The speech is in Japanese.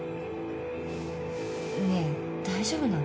ねえ大丈夫なの？